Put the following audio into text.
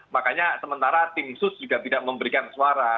makanya sementara tim sus juga tidak memberikan suara